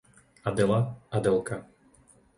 Adela, Adelka